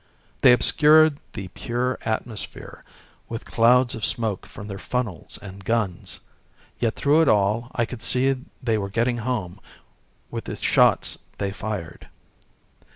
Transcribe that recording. They obscured the pure atmosphere with clouds of smoke from their funnels and guns; yet through it all I could see they were getting home with the shots they fired.